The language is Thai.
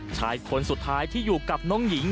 ชายคนสุดท้ายที่อยู่กับน้องหญิง